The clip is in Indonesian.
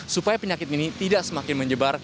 supaya penyakit ini tidak semakin menyebar